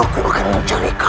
aku akan mencari obat ini raka